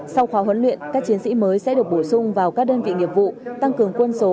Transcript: sau khóa huấn luyện các chiến sĩ mới sẽ được bổ sung vào các đơn vị nghiệp vụ tăng cường quân số